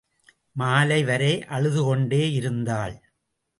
மாலை வரை அழுதுகொண்டேயிருந்தாள்.